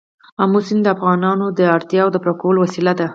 آمو سیند د افغانانو د اړتیاوو د پوره کولو وسیله ده.